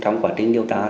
trong quá trình điều tra